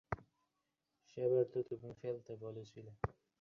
অবশ্য তাদের মনও ছিল উন্মুক্ত ও প্রশস্ত, যা সচরাচর দেখা যায় না।